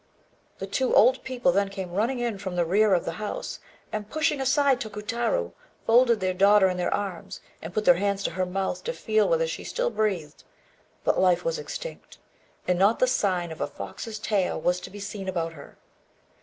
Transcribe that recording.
The two old people then came running in from the rear of the house, and, pushing aside Tokutarô, folded their daughter in their arms, and put their hands to her mouth to feel whether she still breathed; but life was extinct, and not the sign of a fox's tail was to be seen about her.